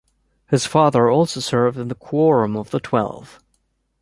His father also served in the Quorum of the Twelve.